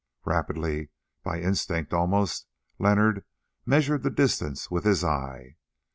Rapidly, by instinct almost, Leonard measured the distance with his eye.